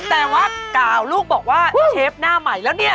แต่ว่ากล่าวลูกบอกว่าเชฟหน้าใหม่แล้วเนี่ย